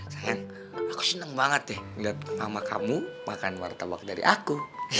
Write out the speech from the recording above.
sayang aku seneng banget deh liat mama kamu makan warna tabak dari aku